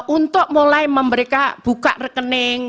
untuk mulai memberikan buka rekening